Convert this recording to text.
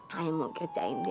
saya mau kecahin dia